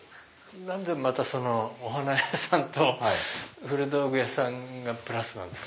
何でまたお花屋さんと古道具屋さんがプラスなんです？